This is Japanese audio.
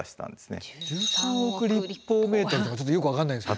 １３億とかちょっとよく分かんないんですけど。